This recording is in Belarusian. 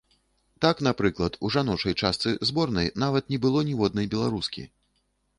Так, напрыклад, у жаночай частцы зборнай нават не было ніводнай беларускі.